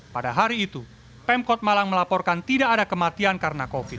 pada hari itu pemkot malang melaporkan tidak ada kematian karena covid sembilan belas